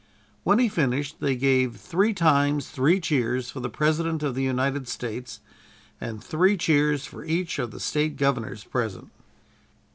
When he finished, they gave "three times three cheers" for the President of the United States, and three cheers for each of the State Governors present.